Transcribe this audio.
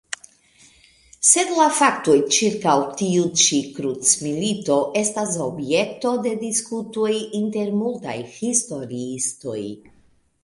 Sed la faktoj ĉirkaŭ tiu ĉi krucmilito estas objekto de diskutoj inter multaj historiistoj.